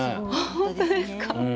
本当ですか？